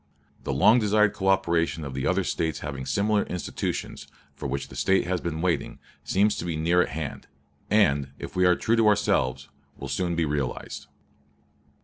The long desired coöperation of the other States having similar institutions, for which the State has been waiting, seems to be near at hand; and, if we are true to ourselves, will soon be realized."